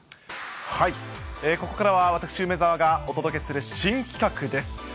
ここからは私、梅澤がお届けする新企画です。